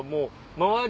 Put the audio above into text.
周り